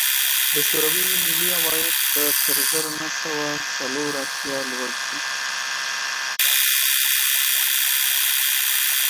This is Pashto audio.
د شوروي ملي عواید به تر زر نه سوه څلور اتیا لوړ شي